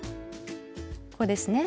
ここですね。